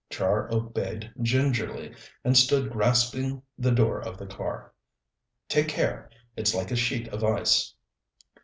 Char obeyed gingerly, and stood grasping the door of the car. "Take care; it's like a sheet of ice."